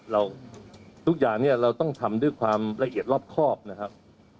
ทุกอย่างเนี่ยเราต้องทำด้วยความละเอียดรอบครอบนะครับ